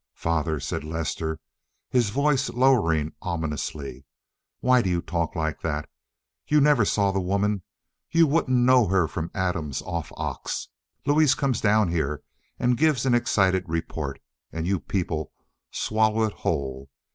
"Father," said Lester, his voice lowering ominously, "why do you talk like that? You never saw the woman. You wouldn't know her from Adam's off ox. Louise comes down here and gives an excited report, and you people swallow it whole.